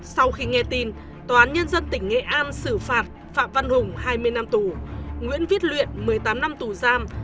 sau khi nghe tin tòa án nhân dân tỉnh nghệ an xử phạt phạm văn hùng hai mươi năm tù nguyễn viết luyện một mươi tám năm tù giam